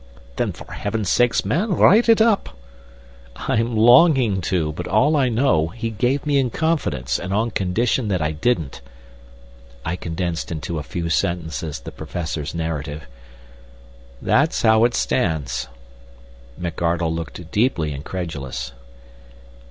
"Then for Heaven's sake, man, write it up!" "I'm longing to, but all I know he gave me in confidence and on condition that I didn't." I condensed into a few sentences the Professor's narrative. "That's how it stands." McArdle looked deeply incredulous.